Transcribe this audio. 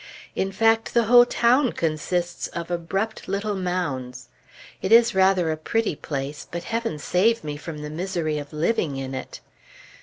In fact, the whole town consists of abrupt little mounds. It is rather a pretty place; but Heaven save me from the misery of living in it!